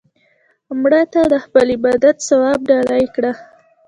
مړه ته د خپل عبادت ثواب ډالۍ کړه